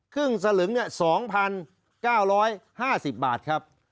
ครึ่งสลึงเนี่ย๒๙๕๐บาทครับ